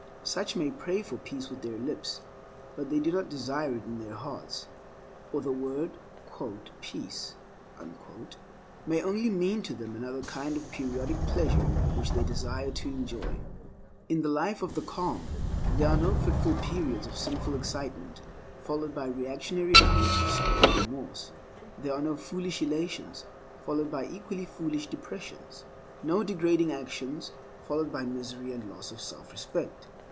Such may pray for peace with their lips, but they do not desire it in their hearts; or the word "peace" may only mean to them another kind of periodic pleasure which they desire to enjoy. In the life of calm there are no fitful periods of sinful excitement followed by reactionary hours of sorrow and remorse. There are no foolish elations followed by equally foolish depressions; no degrading actions followed by misery and loss of selfrespect.